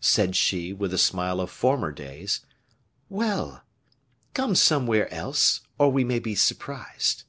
said she, with the smile of former days. "Well! come somewhere else; for we may be surprised."